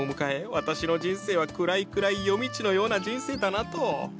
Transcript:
私の人生は暗い暗い夜道のような人生だなと。